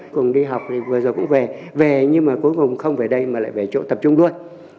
cùng đi học thì vừa rồi cũng về về nhưng mà cuối cùng không về đây mà lại về chỗ tập trung luôn